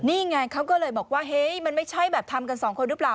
นี่ไงเขาก็เลยบอกว่าเฮ้ยมันไม่ใช่แบบทำกันสองคนหรือเปล่า